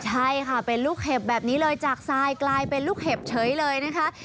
ใช่ค่ะเป็นลูกเห็บแบบนี้เลยจากทรายกลายเป็นลูกเห็บเฉยเลยนะคะ